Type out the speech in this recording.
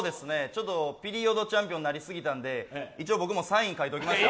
ピリオドチャンピオンなりすぎたんで一応僕もサイン書いておきました。